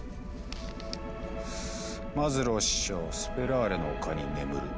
「マズロー師匠スペラーレの丘に眠る」。